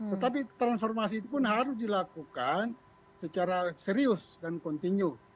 tetapi transformasi itu pun harus dilakukan secara serius dan kontinu